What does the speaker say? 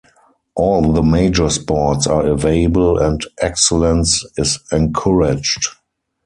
All the major sports are available and excellence is encouraged.